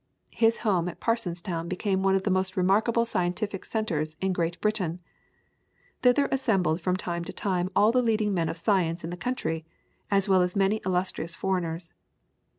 His home at Parsonstown became one of the most remarkable scientific centres in Great Britain; thither assembled from time to time all the leading men of science in the country, as well as many illustrious foreigners.